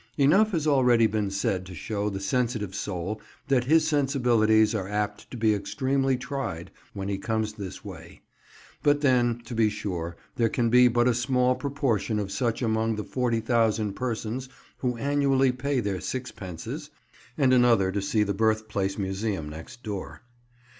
Enough has already been said to show the sensitive soul that his sensibilities are apt to be extremely tried when he comes this way; but then, to be sure, there can be but a small proportion of such among the 40,000 persons who annually pay their sixpences (and another to see the Birthplace Museum next door).